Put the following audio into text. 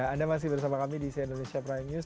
anda masih bersama kami di cnn indonesia prime news